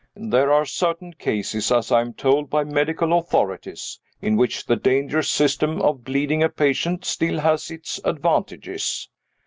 There are certain cases (as I am told by medical authorities) in which the dangerous system of bleeding a patient still has its advantages.